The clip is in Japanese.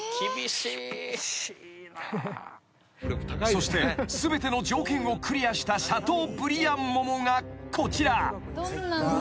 ［そして全ての条件をクリアしたシャトーブリアン桃がこちら］